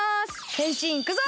へんしんいくぞ！